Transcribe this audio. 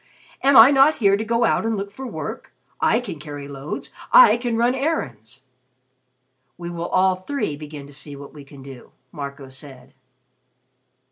Am I not here to go out and look for work? I can carry loads. I can run errands." "We will all three begin to see what we can do," Marco said.